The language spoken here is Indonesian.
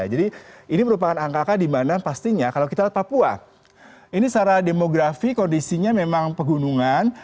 jadi ini merupakan angka angka dimana pastinya kalau kita lihat papua ini secara demografi kondisinya memang pegunungan